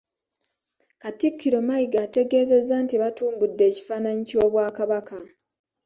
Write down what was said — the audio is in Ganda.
Katikkiro Mayiga ategeezezza nti batumbudde ekifaananyi ky'Obwakabaka